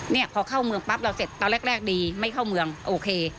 เนี่ยพอเข้าเมืองปั๊บเราเสร็จตอนแรกดีไม่เข้าเมืองโอเค